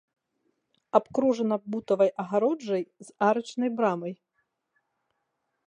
Абкружана бутавай агароджай з арачнай брамай.